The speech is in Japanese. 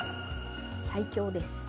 最強です。